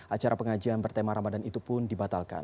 acara pengajian bertema ramadan itu pun dibatalkan